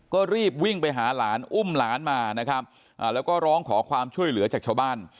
ก็รีบวิ่งไปหาหลานอุ้มหลานมานะครับแล้วก็ร้องขอความช่วยเหลือจากชาวบ้าน